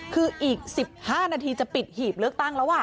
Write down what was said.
คืออีก๑๕นาทีจะปิดหีบเลือกตั้งแล้ว